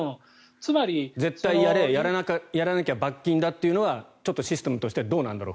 絶対やれやらなきゃ罰金だというのはちょっとシステムとしてはどうなんだろう